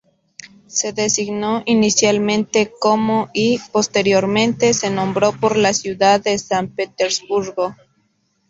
Se designó inicialmente como y, posteriormente, se nombró por la ciudad de San Petersburgo.